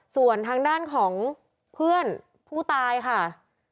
ส่วนทางด้านของเพื่อนผู้ตายค่ะ